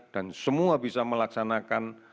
dan semua bisa melaksanakan